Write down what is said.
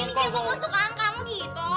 ini yang gue suka sama kamu gitu